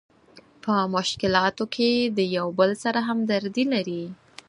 په مشکلاتو کې د یو بل سره همدردي لري.